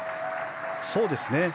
そうですね。